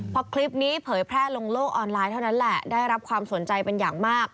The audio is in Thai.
พอคลิปนี้เผยแพร่ลงโลกออนไลน์เท่านั้นแหละได้รับความสนใจเป็นอย่างมาก